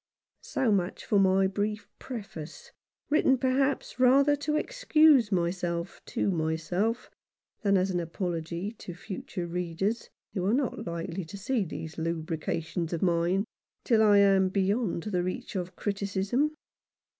So much for my brief preface, written perhaps rather to excuse myself to myself, than as an apology to future readers, who are not likely to see these lucubrations of mine till I am beyond the reach of criticism.